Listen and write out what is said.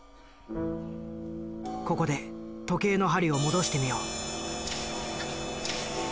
ここで時計の針を戻してみよう。